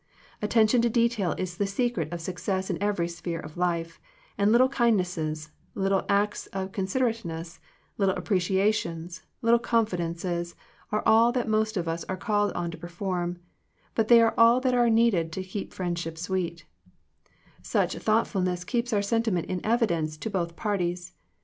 Attention to detail is the secret of suc cess in every sphere of life, and little kindnesses, little acts of considerateness, little appreciations, little confidences, are all that most of us are called on to per form, but they are all that are needed to keep a friendship sweet Such thought fulness keeps our sentiment in evidence to both parties.